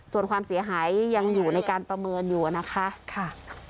ส่วนความเสียหายยังอยู่ในการประเมินอยู่นะคะ